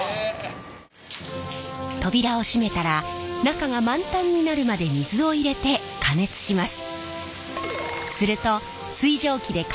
扉を閉めたら中が満タンになるまで水を入れて加熱します。